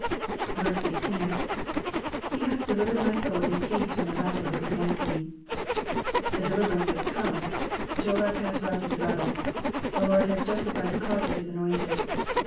18. ''''He hath delivered my soul in peace from the battle that was against me,''' The deliverance has come. Joab has routed the rebels. The Lord has justified the cause of his anointed.